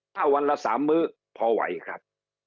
ถ้าวันละ๓มื้อพอไหวครับ